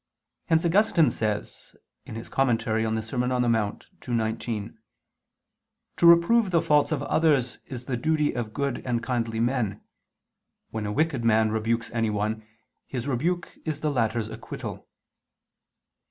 Hence Augustine says (De Serm. Dom. in Monte ii, 19): "To reprove the faults of others is the duty of good and kindly men: when a wicked man rebukes anyone, his rebuke is the latter's acquittal."